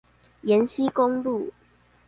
延溪公路